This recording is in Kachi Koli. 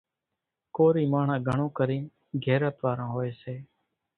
ڪورِي ماڻۿان گھڻو ڪرينَ غيرت واران هوئيَ سي۔